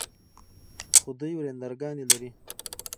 خو دوې ورندرګانې لري.